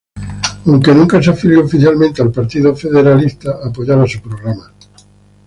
Aunque nunca se afilió oficialmente al Partido Federalista, apoyaba su programa.